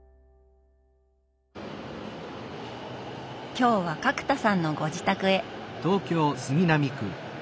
今日は角田さんのご自宅へ。